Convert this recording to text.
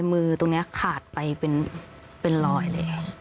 มือตรงนี้ขาดไปเป็นรอยแล้ว